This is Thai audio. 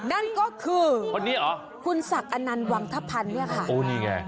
นั่นก็คือคนนี้เหรอคุณศักดิ์อนันต์วังทพันธ์เนี่ยค่ะโอ้นี่ไง